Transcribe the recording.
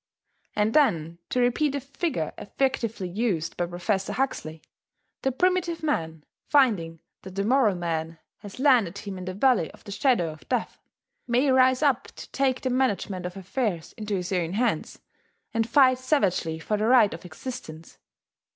And then, to repeat a figure effectively used by Professor Huxley, the Primitive Man, finding that the Moral Man has landed him in the valley of the shadow of death, may rise up to take the management of affairs into his own hands, and fight savagely for the right of existence.